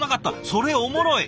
それおもろい！